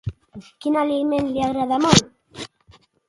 Quin aliment li agrada molt?